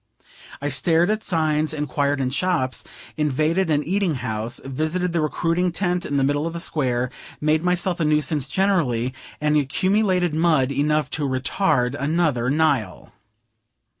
I stared at signs, inquired in shops, invaded an eating house, visited the recruiting tent in the middle of the Square, made myself a nuisance generally, and accumulated mud enough to retard another Nile.